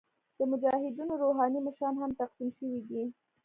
د مجاهدینو روحاني مشران هم تقسیم شوي دي.